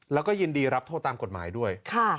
แล้วก็ยินดีรับโทษตามกฎหมายด้วย